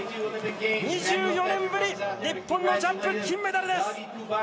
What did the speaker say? ２４年ぶり、日本のジャンプ金メダルです。